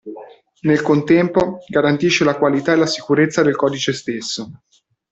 Nel contempo, garantisce la qualità e la sicurezza del codice stesso.